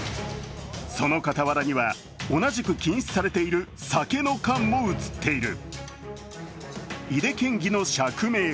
その傍らには、同じく禁止されている酒の缶も映っている。